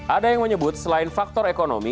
ada yang menyebut selain faktor ekonomi